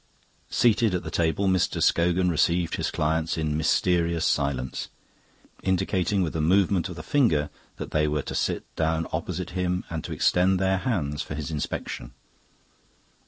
Seated at a table, Mr. Scogan received his clients in mysterious silence, indicating with a movement of the finger that they were to sit down opposite him and to extend their hands for his inspection.